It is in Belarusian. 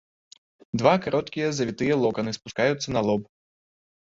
Два кароткія завітыя локаны спускаюцца на лоб.